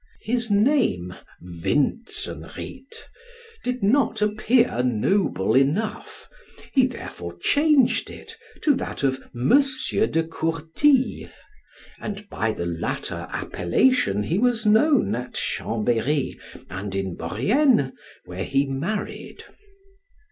His name, Vintzenried, did not appear noble enough, he therefore changed it to that of Monsieur de Courtilles, and by the latter appellation he was known at Chambery, and in Maurienne, where he married.